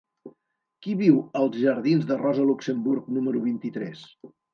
Qui viu als jardins de Rosa Luxemburg número vint-i-tres?